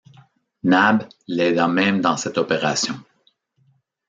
Nab l’aida même dans cette opération